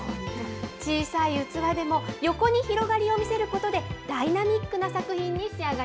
小さい器でも、横に広がりを見せることでダイナミックな作品